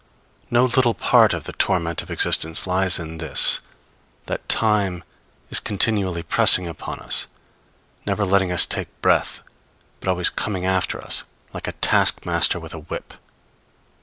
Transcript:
No little part of the torment of existence lies in this, that Time is continually pressing upon us, never letting us take breath, but always coming after us, like a taskmaster with a whip.